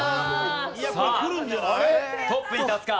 さあトップに立つか？